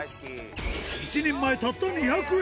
１人前たった２００円。